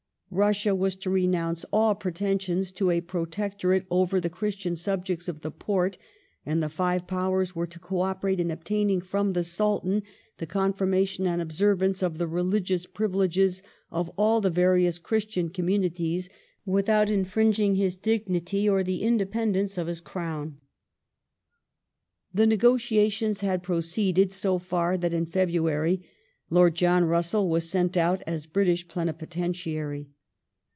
Russia was to renounce all pretensions to a Protectorate over the Christian subjects of the Porte; and the Five Powers were to co operate in obtaining from the Sultan the confirmation and observance of the religious privileges of all the various Christian communities without infi'ing ing his dignity or the independence of his Crown. The negotiations had proceeded so far that in February Lord John Russell was sent out as British Plenipotentiary.